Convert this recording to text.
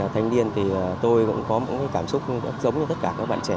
thành niên thì tôi cũng có một cảm xúc giống như tất cả các bạn trẻ